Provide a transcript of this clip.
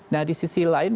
nah di sisi lain